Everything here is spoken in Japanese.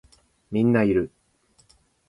みんないる